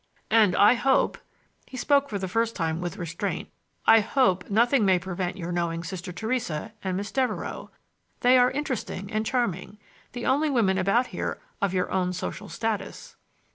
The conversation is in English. "And I hope"—he spoke for the first time with restraint —"I hope nothing may prevent your knowing Sister Theresa and Miss Devereux. They are interesting and charming—the only women about here of your own social status."